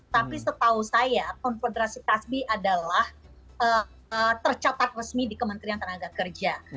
tapi setahu saya konfederasi kasbi adalah tercatat resmi di kementerian tenaga kerja